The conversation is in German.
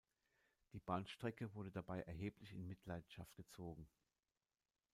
Die Bahnstrecke wurde dabei erheblich in Mitleidenschaft gezogen.